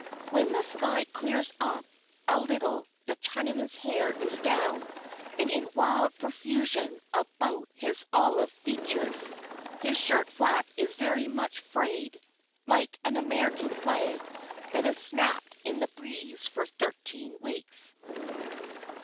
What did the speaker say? When the sky clears up a little the Chinaman's hair is down and in wild profusion about his olive features. His shirt flap is very much frayed, like an American flag that has snapped in the breeze for thirteen weeks.